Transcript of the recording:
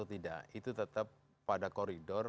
atau tidak itu tetap pada koridor